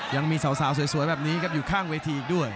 ยังมีสาวสวยแบบนี้ครับอยู่ข้างเวทีอีกด้วย